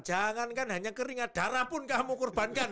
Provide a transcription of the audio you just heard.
jangan kan hanya keringat darah pun kamu kurbankan